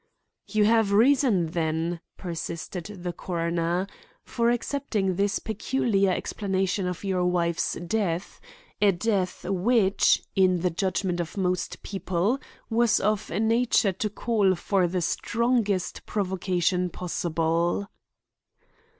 "You have reason, then," persisted the coroner, "for accepting this peculiar explanation of your wife's death; a death which, in the judgment of most people, was of a nature to call for the strongest provocation possible."